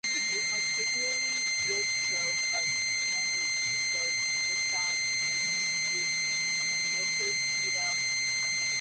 A particularly rich trove of anecdotes is found in Iamblichus's "Vita Pythagorica".